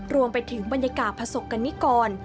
รวมไปถึงบรรยากาศประสบกรณิกร